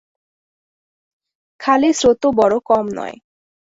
খালে স্রোতও বড় কম নয়।